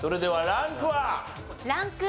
ランク２。